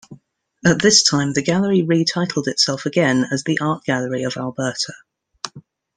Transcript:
At this time, the gallery re-titled itself again as the Art Gallery of Alberta.